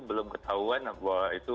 belum ketahuan bahwa itu